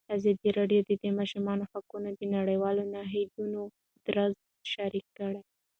ازادي راډیو د د ماشومانو حقونه د نړیوالو نهادونو دریځ شریک کړی.